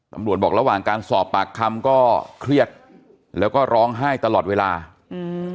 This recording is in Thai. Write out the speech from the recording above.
ตำรวจบอกระหว่างการสอบปากคำก็เครียดแล้วก็ร้องไห้ตลอดเวลาอืม